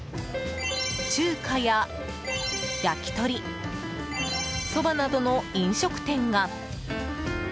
中華や焼き鳥、そばなどの飲食店が。